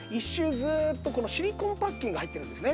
ずーっとこのシリコンパッキンが入ってるんですね。